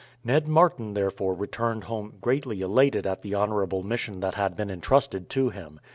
Ned Martin therefore returned home greatly elated at the honourable mission that had been intrusted to him.